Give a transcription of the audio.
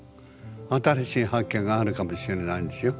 新しい発見があるかもしれないでしょ。